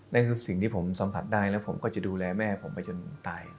นั่นคือสิ่งที่ผมสัมผัสได้แล้วผมก็จะดูแลแม่ผมไปจนตาย